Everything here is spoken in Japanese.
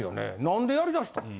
何でやり出したん？